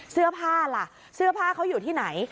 เสื้อผ้าล่ะเสื้อผ้าเขาอยู่ที่ไหน